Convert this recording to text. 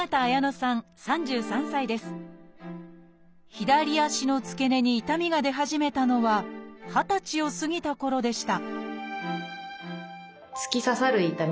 左足の付け根に痛みが出始めたのは二十歳を過ぎたころでした